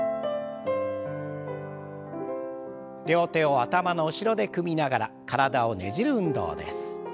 両手を頭の後ろで組みながら体をねじる運動です。